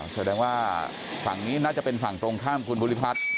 แสดงว่าฝั่งนี้น่าจะเป็นฝั่งตรงข้ามคุณภูริพัฒน์